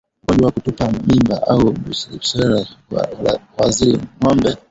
Ugonjwa wa kutupa mimba au Brusela huathiri ngombe